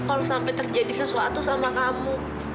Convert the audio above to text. kalau sampai terjadi sesuatu sama kamu